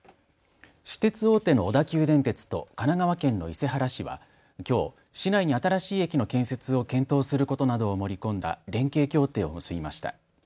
私鉄大手の小田急電鉄と神奈川県の伊勢原市はきょう、市内に新しい駅の建設を検討することなどを盛り込んだ連携協定を結びました。